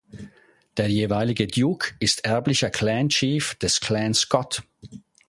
Der jeweilige Duke ist erblicher Clan Chief des Clan Scott.